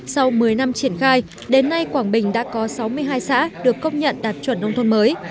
sau một mươi năm triển khai đến nay quảng bình đã có sáu mươi hai xã được công nhận đạt chuẩn nông thôn mới